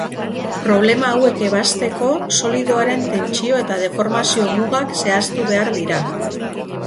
Problema hauek ebazteko, solidoaren tentsio- eta deformazio-mugak zehaztu behar dira.